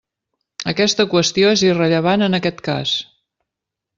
Aquesta qüestió és irrellevant en aquest cas.